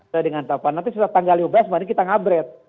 sesuai dengan tahapan nanti setelah tanggal lima belas mari kita ngabret